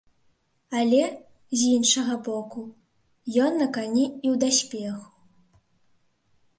Але, з іншага боку, ён на кані і ў даспеху.